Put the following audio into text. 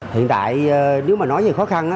hiện tại nếu mà nói về khó khăn